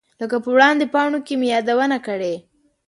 لکه په وړاندې پاڼو کې مې یادونه کړې.